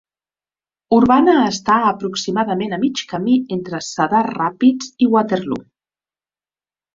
Urbana està aproximadament a mig camí entre Cedar Rapids i Waterloo.